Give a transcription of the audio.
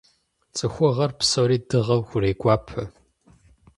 ЦӀыхугъэр псоми дыгъэу хурегуапэ.